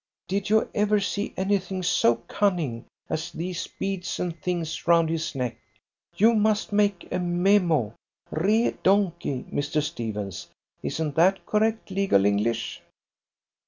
Did you ever see anything so cunning as these beads and things round his neck? You must make a memo. re donkey, Mr. Stephens. Isn't that correct legal English?"